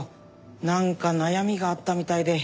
なんか悩みがあったみたいで。